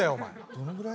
どのぐらい？